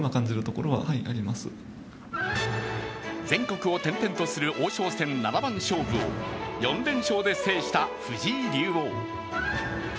全国を転々とする王将戦七番勝負を４連勝で制した藤井竜王。